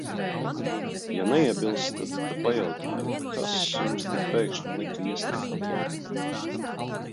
Ja neiebilstat, ka pajautāju, kas jums tik pēkšņi lika iesniegt atlūgumu?